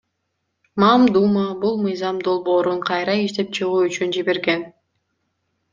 Мамдума бул мыйзам долбоорун кайра иштеп чыгуу үчүн жиберген.